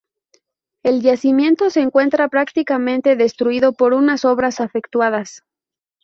El yacimiento se encuentra prácticamente destruido por unas obras efectuadas.